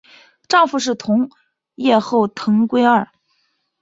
丈夫是同业后藤圭二。